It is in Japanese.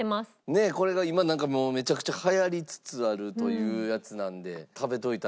ねっこれが今なんかもうめちゃくちゃ流行りつつあるというやつなんで食べておいたら。